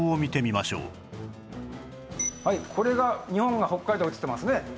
これが日本北海道映ってますね。